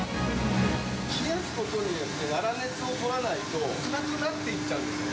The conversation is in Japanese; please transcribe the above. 冷やすことによって、粗熱を取らないと、硬くなっていっちゃうんですね。